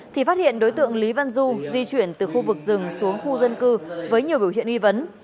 thì phát hiện đối tượng lý văn du di chuyển từ khu vực rừng xuống khu dân cư với nhiều biểu hiện nghi vấn